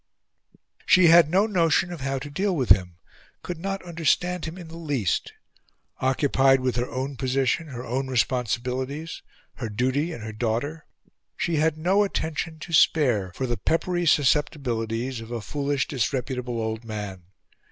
She had no notion of how to deal with him could not understand him in the least. Occupied with her own position, her own responsibilities, her duty, and her daughter, she had no attention to spare for the peppery susceptibilities of a foolish, disreputable old man.